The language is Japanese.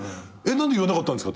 何で言わなかったんすか？